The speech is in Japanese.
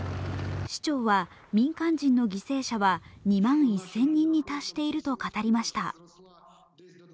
市長は民間人の犠牲者は２万１０００人に達していると語りました。